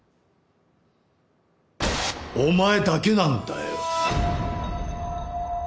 お前だけなんだよ！